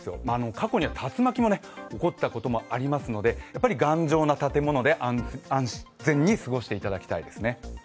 過去には竜巻が起こったこともありますので、やはり頑丈な建物で安全に過ごしていただきたいですね。